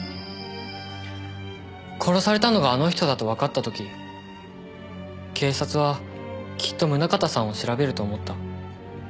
殺されたのがあの人だとわかった時警察はきっと宗方さんを調べると思った。